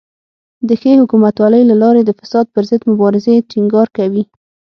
د ښې حکومتولۍ له لارې د فساد پر ضد مبارزې ټینګار کوي.